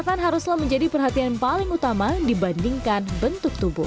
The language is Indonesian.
kesehatan haruslah menjadi perhatian paling utama dibandingkan bentuk tubuh